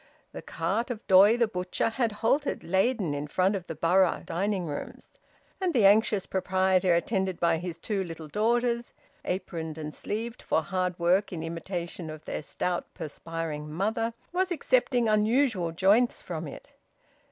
The cart of Doy, the butcher, had halted laden in front of the Borough Dining Rooms, and the anxious proprietor, attended by his two little daughters (aproned and sleeved for hard work in imitation of their stout, perspiring mother), was accepting unusual joints from it.